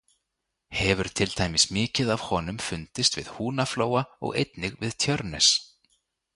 Hefur til dæmis mikið af honum fundist við Húnaflóa og einnig við Tjörnes.